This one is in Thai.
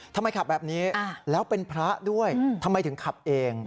ทำไมขับแบบนี้แล้วเป็นพระด้วยทำไมถึงขับเอง